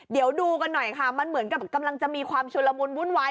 เดี๋ยวดูกันหน่อยค่ะมันเหมือนกับกำลังจะมีความชุลมุนวุ่นวาย